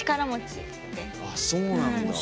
あっそうなんだ。